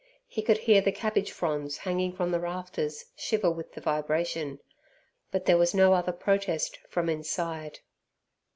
He could hear the cabbage fronds hanging from the rafters shiver with the vibration, but there was no other protest from inside.